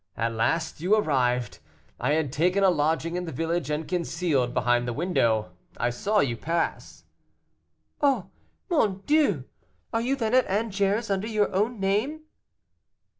At last you arrived. I had taken a lodging in the village, and, concealed behind the window, I saw you pass." "Oh! mon Dieu! are you then at Angers under your own name?"